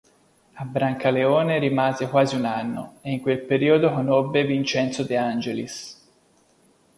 A Brancaleone rimase quasi un anno e in quel periodo conobbe Vincenzo De Angelis.